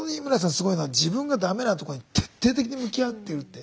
すごいのは自分が駄目なとこに徹底的に向き合ってるって。